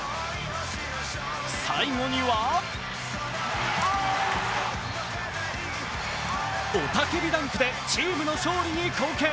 最後には、雄たけびダンクでチームの勝利に貢献。